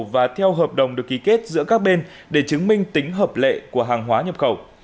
và theo hợp đồng được ký kết giữa các bên để chứng minh tính hợp lệ của hàng hóa nhập khẩu